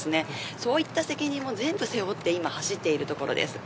そういった責任も全部背負って走っているところです。